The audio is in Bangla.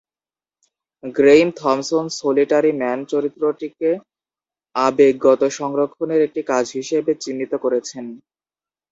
গ্রেইম থমসন "সোলিটারি ম্যান" চরিত্রটিকে আবেগগত সংরক্ষণের একটি কাজ হিসেবে চিহ্নিত করেছেন।